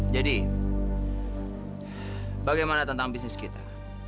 jadi bagaimana tentang bisnis kita